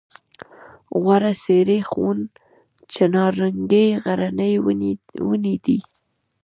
غوړه څېرۍ ښوون چناررنګی غرني ونې دي.